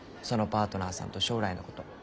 そのパートナーさんと将来のこと。